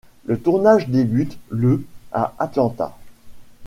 Le tournage débute le à Atlanta.